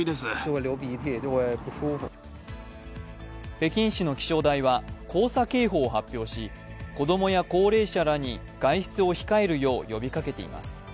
北京市の気象台は黄砂警報を発表し、子供や高齢者らに外出を控えるよう呼びかけています。